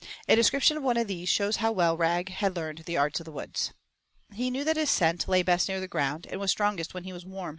A description of one of these shows how well Rag had learned the arts of the woods. He knew that his scent lay best near the ground, and was strongest when he was warm.